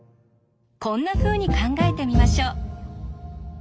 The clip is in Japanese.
こんなふうに考えてみましょう。